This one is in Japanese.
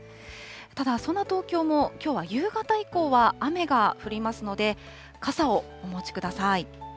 ただ、そんな東京も、きょうは夕方以降は雨が降りますので、傘をお持ちください。